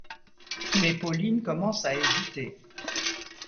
Mais Pauline commence à hésiter.